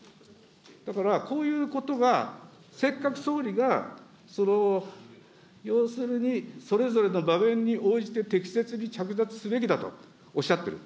だから、こういうことがせっかく総理が、要するに、それぞれの場面に応じて適切に着脱すべきだとおっしゃってる。